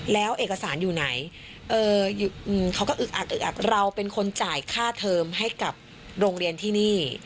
แล้วเอกสารอยู่ไหนเขาก็อึกอักอึกอักเราเป็นคนจ่ายค่าเทอมให้กับโรงเรียนที่นี่